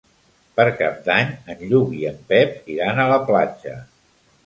Per Cap d'Any en Lluc i en Pep iran a la platja.